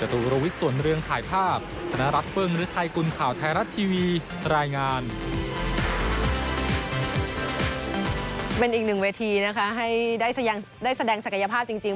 เป็นอีกหนึ่งเวทีนะคะให้ได้แสดงศักยภาพจริง